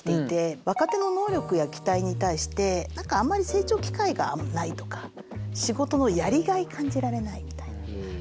若手の能力や期待に対して何かあんまり成長機会がないとか仕事のやりがい感じられないみたいな。